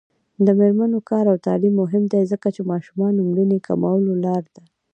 د میرمنو کار او تعلیم مهم دی ځکه چې ماشومانو مړینې کمولو لاره ده.